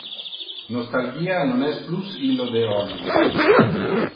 Nostalgia non es plus illo de olim.